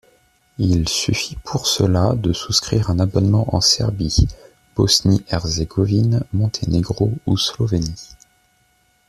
Il suffit pour cela de souscrire un abonnement en Serbie, Bosnie-Herzégovine, Monténégro ou Slovénie.